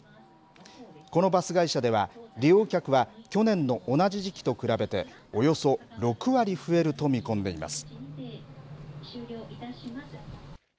このバス会社では利用客は去年の同じ時期と比べておよそ６割増えると見込んでいます。